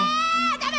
ダメ！